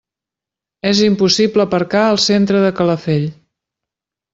És impossible aparcar al centre de Calafell.